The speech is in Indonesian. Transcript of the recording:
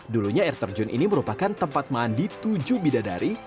dulunya air terjun ini merupakan tempat mandi tujuh bidadari